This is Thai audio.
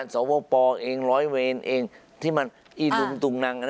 สวปเองร้อยเวรเองที่มันอีลุงตุงนัง